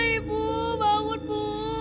ibu bangun bu